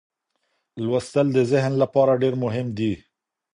لوستل د ذهن لپاره ډېر مهم دي.